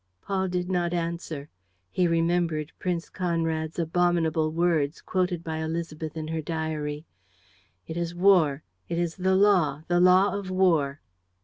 ..." Paul did not answer. He remembered Prince Conrad's abominable words, quoted by Élisabeth in her diary: "It is war. It is the law, the law of war."